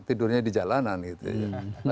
tidurnya di jalanan gitu ya